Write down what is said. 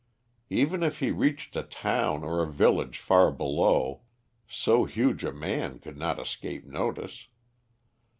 Even if he reached a town or a village far below, so huge a man could not escape notice.